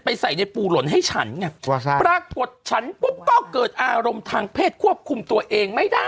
ใส่ในปูหล่นให้ฉันไงปรากฏฉันปุ๊บก็เกิดอารมณ์ทางเพศควบคุมตัวเองไม่ได้